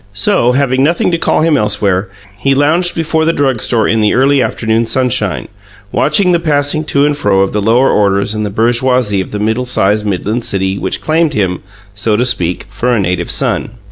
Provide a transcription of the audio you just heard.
So, having nothing to call him elsewhere, he lounged before the drug store in the early afternoon sunshine, watching the passing to and fro of the lower orders and bourgeoisie of the middle sized midland city which claimed him (so to speak) for a native son.